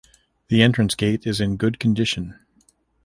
The entrance gate is in good condition.